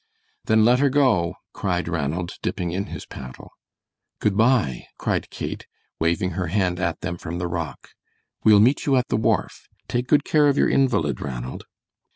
"Then let her go," cried Ranald, dipping in his paddle. "Good by," cried Kate, waving her hand at them from the rock. "We'll meet you at the wharf. Take good care of your invalid, Ranald."